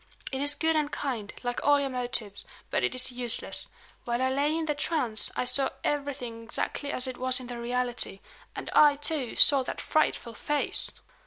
"It is good and kind, like all your motives; but it is useless. While I lay in the trance I saw everything exactly as it was in the reality; and I, too, saw that frightful face!"